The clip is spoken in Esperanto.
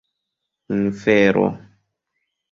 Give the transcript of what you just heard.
infero